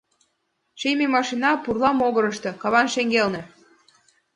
Шийме машина пурла могырышто, каван шеҥгелне.